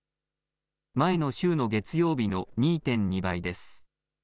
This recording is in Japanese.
前の週の月曜日の２．２倍です。